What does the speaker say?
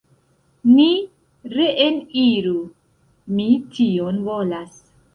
Ni reeniru; mi tion volas.